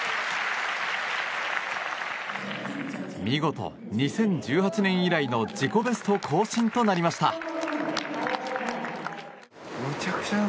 見事、２０１８年以来の自己ベスト更新となりました。